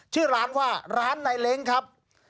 ชื่อร้านว่าร้านนายเล้งครับ